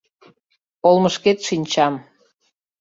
Олмышкет шинчам.